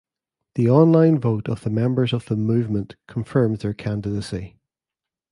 The online vote of the members of the Movement confirms their candidacy.